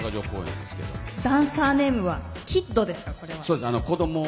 ダンサーネームはＫＩＤですか、これは。